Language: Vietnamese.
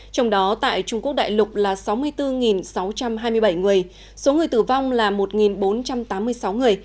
trong đó tại trung quốc đại lục là sáu mươi bốn sáu trăm hai mươi bảy người số người tử vong là một bốn trăm tám mươi sáu người